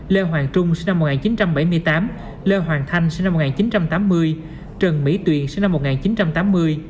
lê hoàng trung sinh năm một nghìn chín trăm bảy mươi tám lê hoàng thanh sinh năm một nghìn chín trăm tám mươi trần mỹ tuyền sinh năm một nghìn chín trăm tám mươi